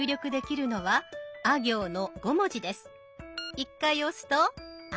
１回押すと「あ」。